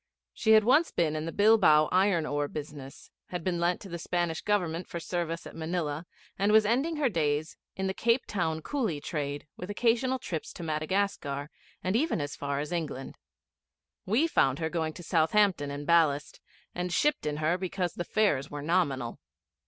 She had once been in the Bilbao iron ore business, had been lent to the Spanish Government for service at Manilla; and was ending her days in the Cape Town coolie trade, with occasional trips to Madagascar and even as far as England. We found her going to Southampton in ballast, and shipped in her because the fares were nominal.